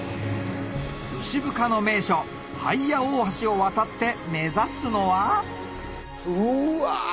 牛深の名所ハイヤ大橋を渡って目指すのはうわ